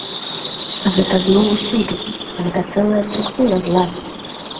Гэта зло ўсюды, гэта цэлая структура зла.